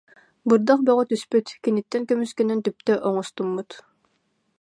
Бырдах бөҕө түспүт, киниттэн көмүскэнэн түптэ оҥостуммут